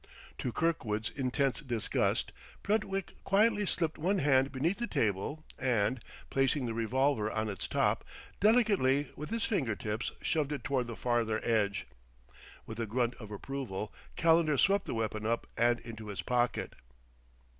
To Kirkwood's intense disgust Brentwick quietly slipped one hand beneath the table and, placing the revolver on its top, delicately with his finger tips shoved it toward the farther edge. With a grunt of approval, Calendar swept the weapon up and into his pocket.